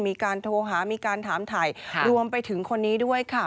มีการโทรหามีการถามถ่ายรวมไปถึงคนนี้ด้วยค่ะ